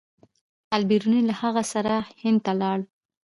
البیروني له هغه سره هند ته لاړ.